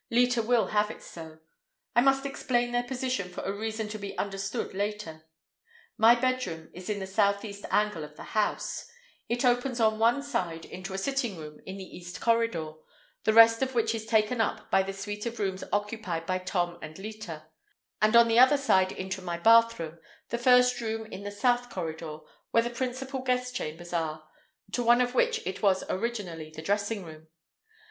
Leta will have it so. I must explain their position for a reason to be understood later. My bedroom is in the southeast angle of the house; it opens on one side into a sitting room in the east corridor, the rest of which is taken up by the suite of rooms occupied by Tom and Leta; and on the other side into my bathroom, the first room in the south corridor, where the principal guest chambers are, to one of which it was originally the dressing room.